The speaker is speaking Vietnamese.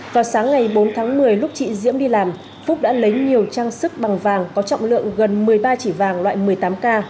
vào sáng ngày bốn tháng một mươi lúc chị diễm đi làm phúc đã lấy nhiều trang sức bằng vàng có trọng lượng gần một mươi ba chỉ vàng loại một mươi tám k